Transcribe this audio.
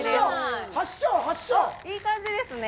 いい感じですね。